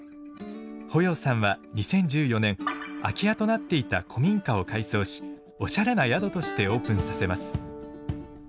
保要さんは２０１４年空き家となっていた古民家を改装しおしゃれな宿としてオープンさせます。